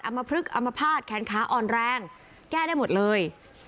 มพลึกอมภาษณ์แขนขาอ่อนแรงแก้ได้หมดเลย